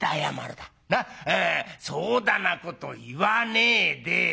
そうだなこと言わねえで。